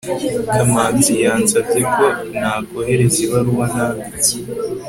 kamanzi yansabye ko ntakohereza ibaruwa nanditse